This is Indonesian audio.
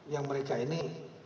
yang mereka ini